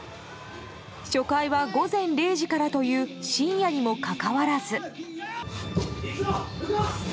初回は午前０時からという深夜にもかかわらず。